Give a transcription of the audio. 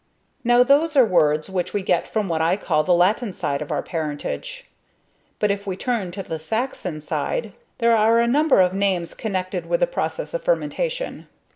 Now those are words which we get from what I may call the Latin side of our parentage; but if we turn to the Saxon side, there are a number of names connected with this process of fermentation.